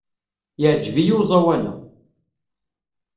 Yeɛjeb-iyi uẓawan-a.